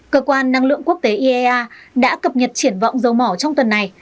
cơ quan năng lượng quốc tế iea đã cập nhật triển vọng dầu mỏ trong tuần này